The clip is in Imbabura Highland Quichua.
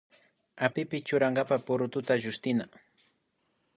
Apipi churankapa purututa llushtina